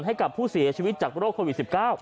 ให้กับผู้เสียชีวิตจากโรคโควิด๑๙